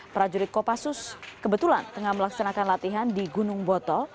prajurit kopassus kebetulan tengah melaksanakan latihan di gunung botol